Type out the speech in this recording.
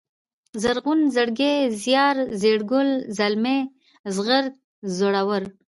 زرغون ، زړگی ، زيار ، زېړگل ، زلمی ، زغرد ، زړور